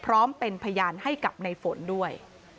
พร้อมเป็นพยานให้กับในฝนด้วย